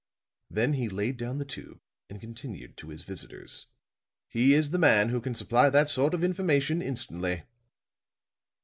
Then he laid down the tube and continued to his visitors. "He is the man who can supply that sort of information instantly."